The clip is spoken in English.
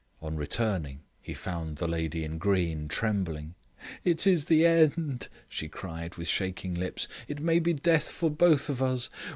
On returning, he found the lady in green trembling. "It is the end," she cried, with shaking lips; "it may be death for both of us.